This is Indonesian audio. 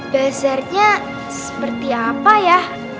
bazarnya seperti apa ya